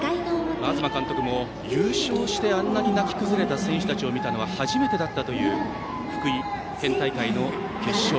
東監督も優勝してあんなに泣き崩れた選手たちを見たのは初めてだったという福井県大会の決勝。